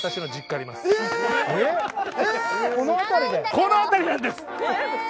この辺りなんです。